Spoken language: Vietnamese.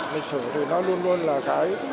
lịch sử thì nó luôn luôn là cái